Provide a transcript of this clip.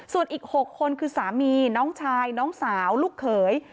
ส่วนอีก๖คนคือสามีน้องชายน้องสาวลูกเขย